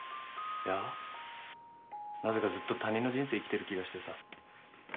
いやなぜかずっと他人の人生生きてる気がしてさ。